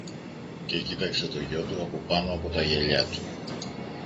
και κοίταξε το γιο του από πάνω από τα γυαλιά του.